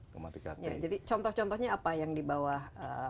jadi contoh contohnya apa yang di bawah